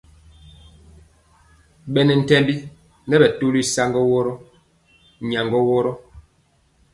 Bɛ ntembi nɛ bɛtɔli saŋgɔ woro, nyagɔ woro.